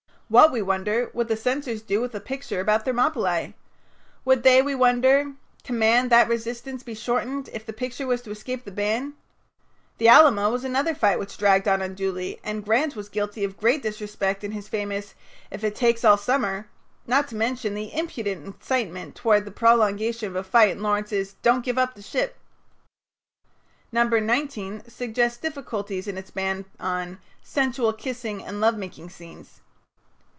What, we wonder, would the censors do with a picture about Thermopylæ? Would they, we wonder, command that resistance be shortened if the picture was to escape the ban? The Alamo was another fight which dragged on unduly, and Grant was guilty of great disrespect in his famous "If it takes all summer," not to mention the impudent incitement toward the prolongation of a fight in Lawrence's "Don't give up the ship." No. 19 suggests difficulties in its ban on "sensual kissing and love making scenes."